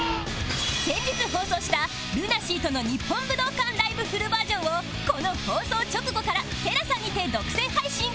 先日放送した ＬＵＮＡＳＥＡ との日本武道館ライブフルバージョンをこの放送直後から ＴＥＬＡＳＡ にて独占配信開始